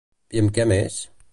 I amb què més?